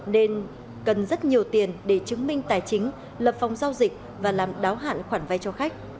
nên cần rất nhiều tiền để chứng minh tài chính lập phòng giao dịch và làm đáo hạn khoản vay cho khách